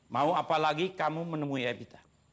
mau apa lagi kamu menemui evita